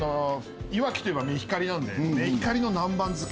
いわきといえばメヒカリなんでメヒカリの南蛮漬け。